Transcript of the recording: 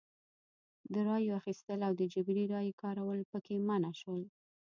د رایو اخیستل او د جبري رایې کارول پکې منع شول.